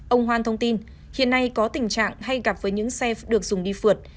ông hoan thông tin hiện nay có tình trạng hay gặp với những xe được dùng đi phượt